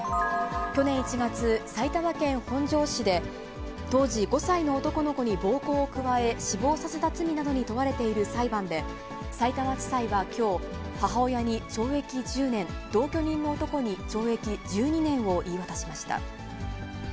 去年１月、埼玉県本庄市で、当時５歳の男の子に暴行を加え、死亡させた罪などに問われている裁判で、さいたま地裁はきょう、母親に懲役１０年、同居人の男に懲役１２年を言い渡しました。